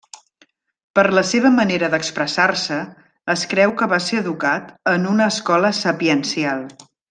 Per la seva manera d'expressar-se es creu que va ser educat en una escola sapiencial.